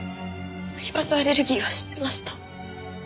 饗庭のアレルギーは知ってました。